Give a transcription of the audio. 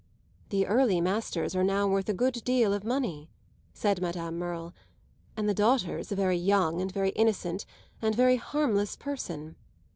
"The early masters are now worth a good deal of money," said Madame Merle, "and the daughter's a very young and very innocent and very harmless person."